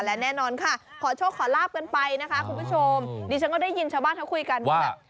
และแน่นอนค่ะขอโชคขอลาบกันไปนะคะคุณผู้ชมดิฉันก็ได้ยินชาวบ้านเขาคุยกันว่า